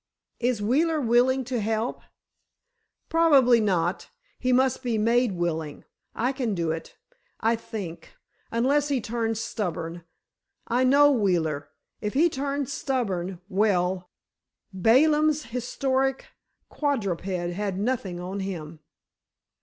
"Is Wheeler willing to help?" "Probably not. He must be made willing. I can do it—I think—unless he turns stubborn. I know Wheeler—if he turns stubborn—well, Balaam's historic quadruped had nothing on him!"